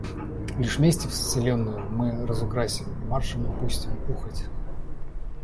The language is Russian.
Лишь вместе вселенную мы разукрасим и маршами пустим ухать.